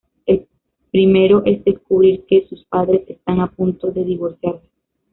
El primero, es descubrir que sus padres están a punto de divorciarse.